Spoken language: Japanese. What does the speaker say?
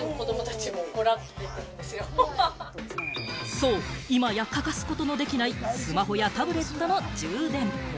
そう、今や欠かすことのできないスマホやタブレットの充電。